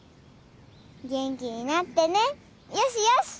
元気になってねよしよし。